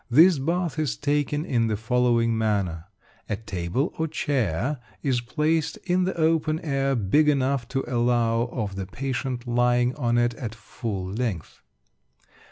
This bath is taken in the following manner. A table or chair is placed in the open air, big enough to allow of the patient lying on it at full length.